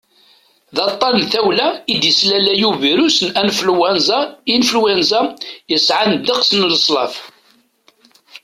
d aṭṭan n tawla i d-yeslalay ubirus n anflwanza influenza yesɛan ddeqs n leṣnaf